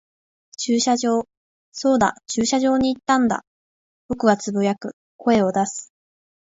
駐車場。そうだ、駐車場に行ったんだ。僕は呟く、声を出す。